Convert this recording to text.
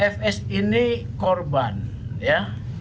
fs ini korban ya